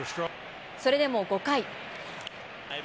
それでも５回。